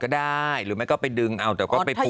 อย่างไรหรือไม่ก็ไปดึงเอาแต่ว่าไปปรูพอะ